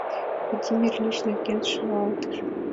Владимир Ильич нелын шӱлалтыш.